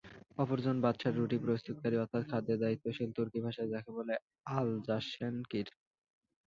অপরজন বাদশার রুটি প্রস্তুতকারী অর্থাৎ খাদ্যের দায়িত্বশীল—তুর্কী ভাষায় যাকে বলে আলজাশেনকীর।